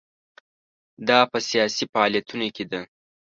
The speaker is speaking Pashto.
دا په سیاسي فعالیتونو کې ده.